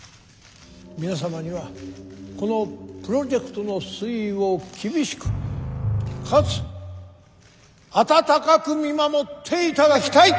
皆様にはこのプロジェクトの推移を厳しくかつ温かく見守っていただきたい。